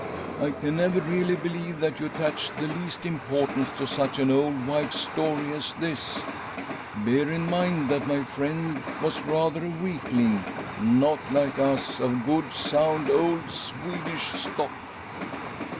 " I can never really believe that you attach the least im portance to such an old wife's story as. this. Bear in mind that my friend was rather a weakling— not like us, of good, sound old Swedish stock.